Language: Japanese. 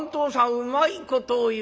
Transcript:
うまいことを言う。